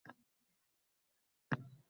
Hammayog‘im to‘zg‘ib yotuvdi-ya...